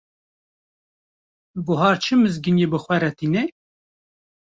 Buhar çi mizgîniyê bi xwe re tîne?